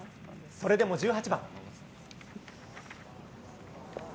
それでも１８番。